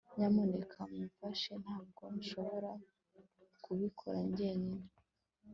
nyamuneka mumfashe; ntabwo nshobora kubikora njyenyine